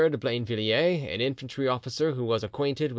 de Blainvilliers, an infantry officer who was acquainted with M.